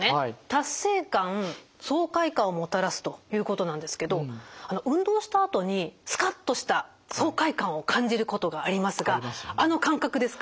達成感爽快感をもたらすということなんですけど運動したあとにスカッとした爽快感を感じることがありますがあの感覚ですか？